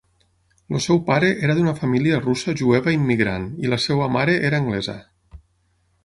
El seu pare era d'una família russa jueva immigrant i la seva mare era anglesa.